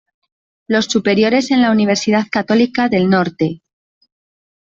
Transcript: Los superiores en la Universidad Católica del Norte.